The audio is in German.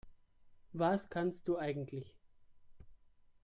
Was kannst du eigentlich?